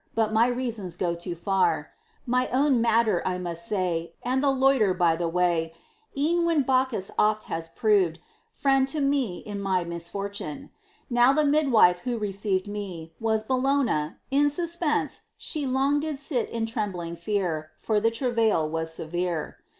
But my reasons go too far. My own matter must I say, And not loiter by the way, E'en though Bacchus oft has proven Friend to me in my misfortune. Now the midwife who received me, Was Bellona; in suspense, she Long did sit in trembling fear, For the travail was severe.